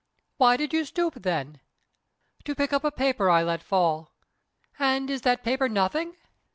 "Why did you stoop, then?" "To pick up a paper I let fall." "And is that paper nothing?"